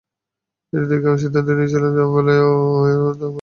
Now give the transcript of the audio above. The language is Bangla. এটি দেখে আমি সিদ্ধান্ত নিয়েছিলাম জাপানেও আমাদের দেশি সংস্কৃতিকে ছাড়িয়ে দেওয়ার।